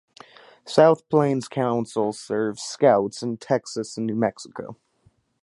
South Plains Council serves Scouts in Texas and New Mexico.